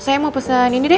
saya mau pesan ini deh